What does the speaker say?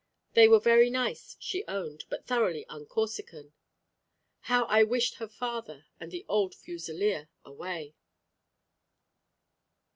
They were very nice, she owned, but thoroughly un Corsican. How I wished her father and the old fusileer away!